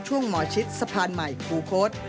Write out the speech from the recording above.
ช่วงหมอชิดสะพานใหม่ภูเกิร์ต